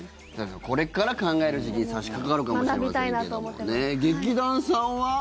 これから考える時期に差しかかるかもしれませんけど劇団さんは？